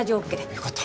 よかった。